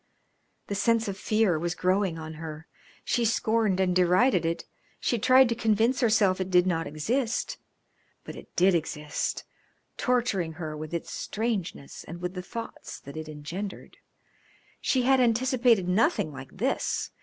The sense of fear was growing on her. She scorned and derided it. She tried to convince herself it did not exist, but it did exist, torturing her with its strangeness and with the thoughts that it engendered. She had anticipated nothing like this.